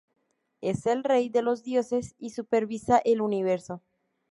Es el rey de los dioses y supervisa el universo.